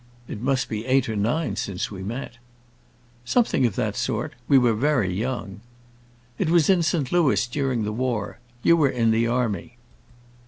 "It must be eight or nine since we met." "Something of that sort. We were very young." "It was in St. Louis, during the war. You were in the army."